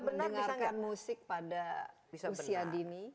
mendengarkan musik pada usia dini